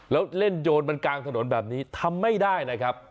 แล้วเล่นโยนมันกลางถนนแบบนี้ทำไม่ได้นะครับ